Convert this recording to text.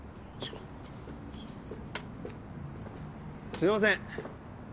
すいません。